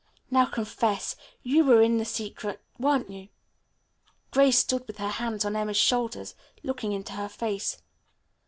Now, confess. You were in the secret, weren't you?" Grace stood with her hands on Emma's shoulders, looking into her face.